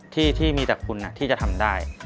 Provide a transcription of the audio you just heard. ที่มีแต่คุณที่จะทำได้